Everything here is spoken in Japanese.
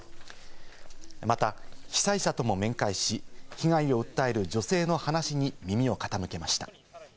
また、被災者とも面会し、被害を訴える女性の話に耳を傾けました。